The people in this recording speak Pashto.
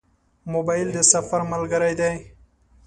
موبایل د سفر ملګری دی.